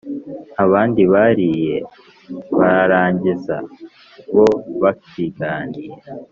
abandi bariye bararangiza bo bakiganira